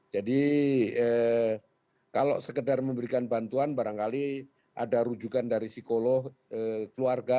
jadi kalau sekedar memberikan bantuan barangkali ada rujukan dari psikolog keluarga